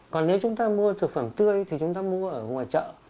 còn nếu chúng ta mua thực phẩm tươi thì chúng ta mua ở ngoài chợ